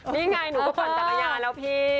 นี่ไงหนูก็ปั่นจักรยานแล้วพี่